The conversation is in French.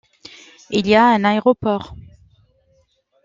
Il y a un aéroport.